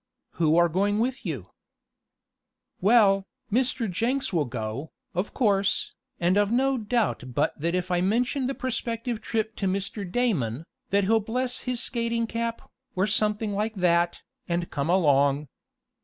"Who are going with you?" "Well, Mr. Jenks will go, of course, and I've no doubt but that if I mention the prospective trip to Mr. Damon, that he'll bless his skating cap, or something like that, and come along."